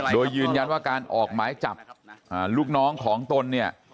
โดยยืนยันว่าการออกหมายจับลูกน้องของตนเนี่ย